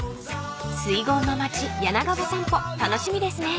［水郷の町柳川散歩楽しみですね］